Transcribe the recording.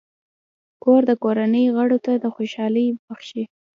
کور د کورنۍ غړو ته خوشحالي بښي.